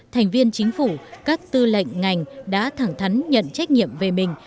thành viên chính phủ các tư lệnh ngành đã thẳng thắn nhận trách nhiệm về mình